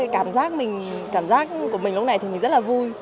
cái cảm giác của mình lúc này thì mình rất là vui